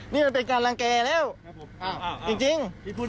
นี่มันเป็นการรังแก่แล้วจริง